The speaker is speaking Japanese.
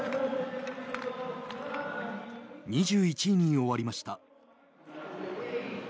２１位に終わりました。